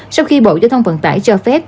sau khi bộ giao thông vận tải cho phép